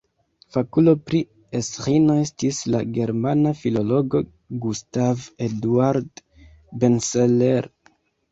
Fakulo pri Esĥino estis la germana filologo Gustav Eduard Benseler.